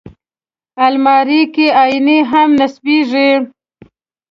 الماري کې آیینې هم نصبېږي